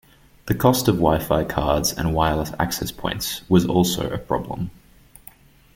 The cost of Wi-Fi cards and wireless access points was also a problem.